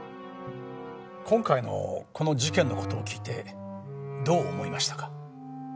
今回のこの事件の事を聞いてどう思いましたか？